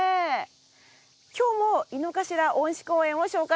今日も井の頭恩賜公園を紹介します。